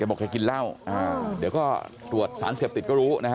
บอกแกกินเหล้าอ่าเดี๋ยวก็ตรวจสารเสพติดก็รู้นะฮะ